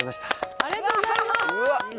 ありがとうございます。